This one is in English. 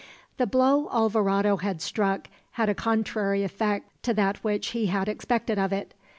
The blow Alvarado had struck had a contrary effect to that which he had expected of it.